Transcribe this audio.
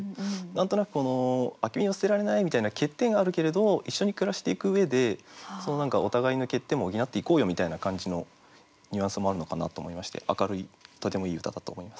何となく空き瓶を捨てられないみたいな欠点はあるけれど一緒に暮らしていく上で何かお互いの欠点も補っていこうよみたいな感じのニュアンスもあるのかなと思いまして明るいとてもいい歌だと思います。